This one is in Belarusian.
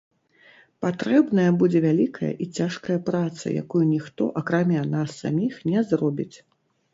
Патрэбная будзе вялікая і цяжкая праца, якую ніхто, акрамя нас саміх, не зробіць.